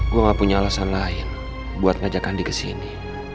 gue gak punya alasan lain buat ngajak andi kesini